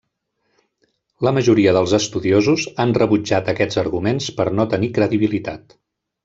La majoria dels estudiosos han rebutjat aquests arguments per no tenir credibilitat.